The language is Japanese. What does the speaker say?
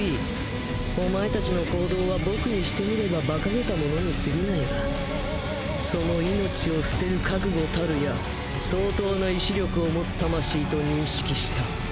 お前たちの行動は僕にしてみればバカげたものに過ぎないがその命を捨てる覚悟たるや相当な意志力を持つ魂と認識した。